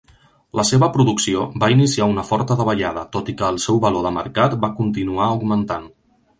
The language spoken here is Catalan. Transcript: La seva producció va iniciar una forta davallada, tot i que el seu valor de mercat va continuar augmentant.